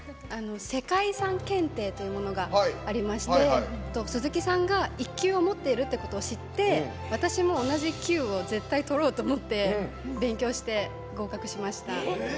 世界遺産検定というものがありまして鈴木さんが１級を持っているということを知って私も同じ級を絶対取ろうと思って勉強して合格しました。